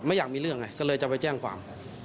อยากมีเรื่องไงก็เลยจะไปแจ้งความ